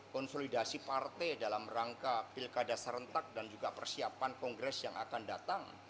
konsolidasi partai dalam rangka pilkada serentak dan juga persiapan kongres yang akan datang